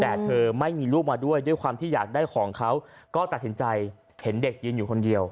แต่เธอไม่มีลูกมาด้วยด้วยความที่อยากได้ของเขาก็ตัดสินใจเห็นเด็กยืนอยู่คนเดียว